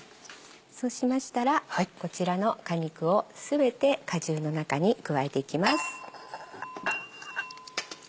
そうしましたらこちらの果肉を全て果汁の中に加えていきます。